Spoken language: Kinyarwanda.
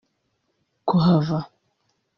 kuhava